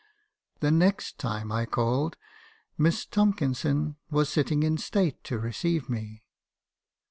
The next time I called, Miss Tomkinson was sitting in state to re ceive me.